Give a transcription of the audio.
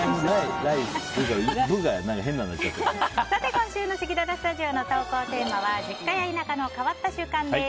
今週のせきららスタジオの投稿テーマは実家や田舎の変わった習慣です。